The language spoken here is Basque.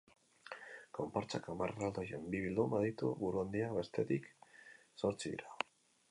Konpartsak hamar erraldoien bi bilduma ditu; buruhandiak, bestetik, zortzi dira.